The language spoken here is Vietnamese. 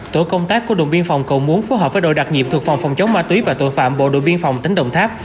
tổ công tác của đội biên phòng cầu muốn phối hợp với đội đặc nhiệm thuộc phòng phòng chống ma túy và tội phạm bộ đội biên phòng tỉnh đồng tháp